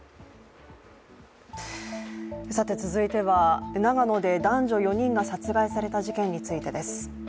続いては、長野で男女４人が殺害された事件についてです。